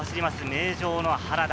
名城の原田。